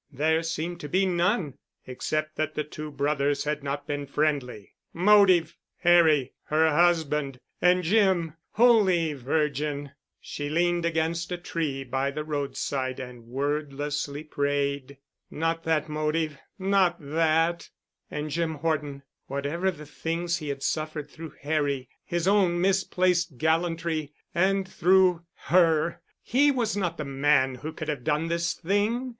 There seemed to be none—"except that the two brothers had not been friendly." Motive! Harry—her husband—and Jim——! Holy Virgin! She leaned against a tree by the roadside and wordlessly prayed. Not that motive—not that! And Jim Horton—whatever the things he had suffered through Harry, his own misplaced gallantry, and through her, he was not the man who could have done this thing.